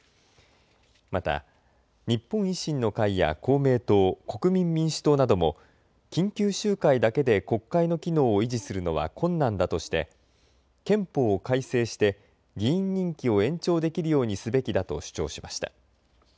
また日本維新の会や公明党、国民民主党なども緊急集会だけで国会の機能を維持するのは困難だとして憲法を改正して議員任期を延長できるようにすべきだと主張しました。